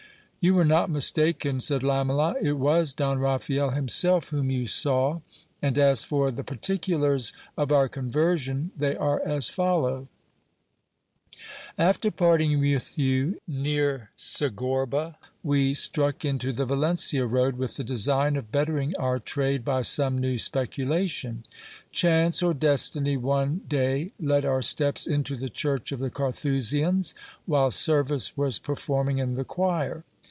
You were not mistaken, said Lamela, it was Don Raphael himself whom 352 GIL BLAS. you saw; and as for the particulars of our conversion, they are as follow : After parting with you near Segorba, we struck into the Valencia road, with the design of bettering our trade by some new speculation. Chance or destiny one day led our steps into the church of the Carthusians, while service was performing in the choir.